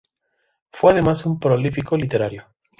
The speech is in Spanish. Fue además un prolífico literato.